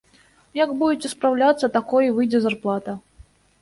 Як будзеце спраўляцца, такой і выйдзе зарплата.